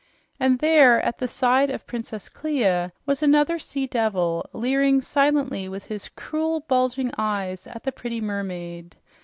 And there, at the side of Princess Clia, was another devil, leering silently with his cruel, bulging eyes at the pretty mermaid.